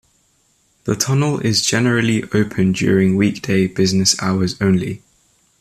The tunnel is generally open during weekday business hours only.